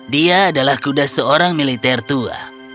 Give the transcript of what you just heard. dia adalah kuda seorang militer tua